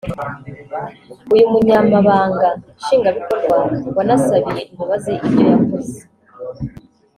Uyu Munyamabanga Nshingwabikorwa wanasabiye imbabazi ibyo yakoze